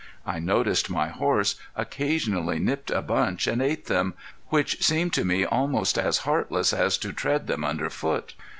I noticed my horse occasionally nipped a bunch and ate them, which seemed to me almost as heartless as to tread them under foot.